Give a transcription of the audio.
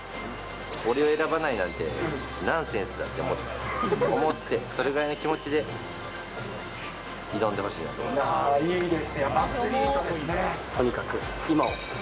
俺を選ばないなんてナンセンスだって思って、それぐらいの気持ちで挑んでほしいなと思います。